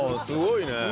すごいね。